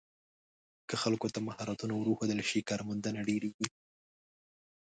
که خلکو ته مهارتونه ور وښودل شي، کارموندنه ډېریږي.